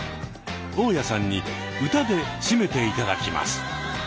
大家さんに歌でしめて頂きます。